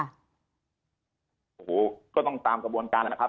โหก็ต้องตามกระบวนการแหละครับ